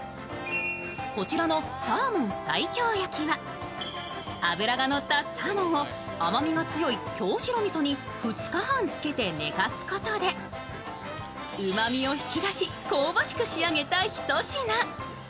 こちらのサーモン西京焼きは、脂が乗ったサーモンを甘味が強い京白みそに２日半漬けて寝かすことでうまみを引き出し香ばしく仕上げた一品。